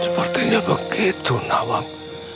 sepertinya begitu nawang